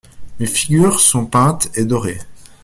Les figures sont peintes et dorées.